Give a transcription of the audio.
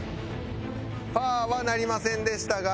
パーはなりませんでしたが。